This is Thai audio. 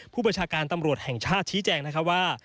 ประชาการตำรวจแห่งชาติชี้แจงนะครับว่า